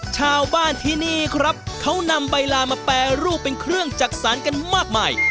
ชาวบ้านที่นี่ครับเขานำใบลามาแปรรูปเป็นเครื่องจักษานกันมากมาย